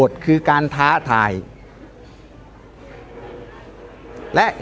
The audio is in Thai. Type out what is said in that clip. ตอนต่อไป